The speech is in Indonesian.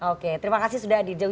oke terima kasih sudah dijawab